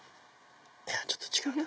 ちょっと違うな。